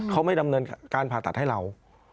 เขาไม่ดำเนินการผ่าตัดให้เรา